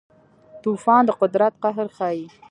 طوفان د قدرت قهر ښيي.